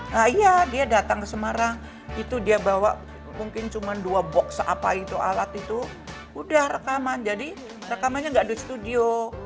nah iya dia datang ke semarang itu dia bawa mungkin cuma dua box apa itu alat itu udah rekaman jadi rekamannya nggak di studio